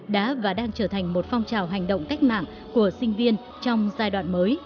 đã và đang trở thành một phong trào hành động cách mạng của sinh viên trong giai đoạn mới